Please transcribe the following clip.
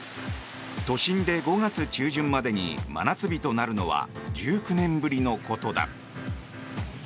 都心で５月中旬までに真夏日となるのは１９年ぶりのことだ。